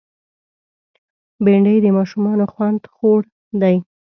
بېنډۍ د ماشومانو خوند خوړ دی